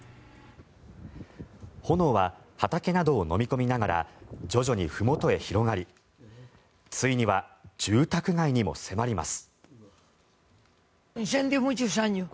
炎は畑などをのみ込みながら徐々にふもとへ広がりついには、住宅街にも迫ります。